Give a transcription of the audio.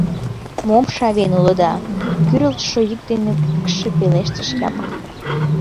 — Мом шавен улыда? — кӱрылтшӧ йӱк дене пыкше пелештыш Япык.